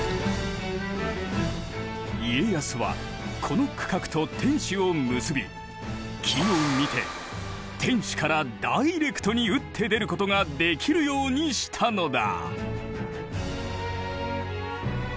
家康はこの区画と天守を結び機を見て天守からダイレクトに打って出ることができるようにしたのだ。